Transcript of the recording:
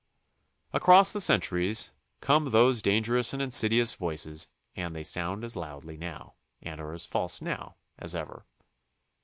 Across the centuries come those danger ous and insidious voices and they sound as loudly now and are as false now as ever.